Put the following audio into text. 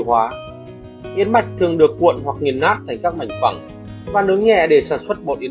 hóa yến mạch thường được cuộn hoặc nghiền nát thành các mảnh phẳng và nướng nhẹ để sản xuất bột yến